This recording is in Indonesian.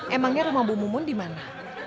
emangnya rumah bu mumun dimana